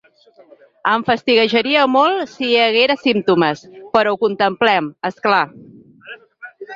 Em fastiguejaria molt si hi haguera símptomes, però ho contemplem, és clar.